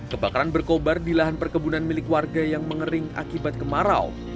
kebakaran berkobar di lahan perkebunan milik warga yang mengering akibat kemarau